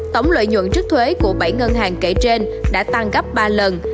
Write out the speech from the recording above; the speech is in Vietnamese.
tổng lợi nhuận trước thuế của bảy ngân hàng kể trên đã tăng gấp ba lần